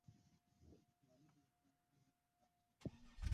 پیاله د انسان خوندونه وړاندې کوي.